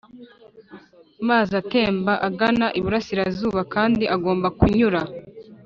mazi aratemba agana iburasirazuba kandi agomba kunyura